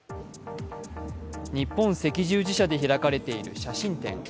日本赤十字社で開かれている写真展。